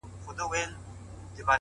هره هڅه د اعتماد کچه لوړوي,